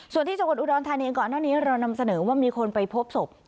ส่วนที่จังหวัดอุดรธานีก่อนหน้านี้เรานำเสนอว่ามีคนไปพบศพ